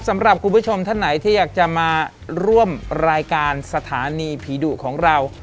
สำหรับคุณผู้ชมท่านไหนที่อยากจะมาร่วมรายการสถานีผีดุของเรา